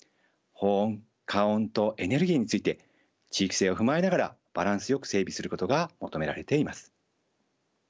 保温加温とエネルギーについて地域性を踏まえながらバランスよく整備することが求められています。